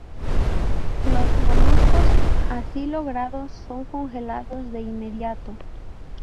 Los moluscos así logrados son congelados de inmediato.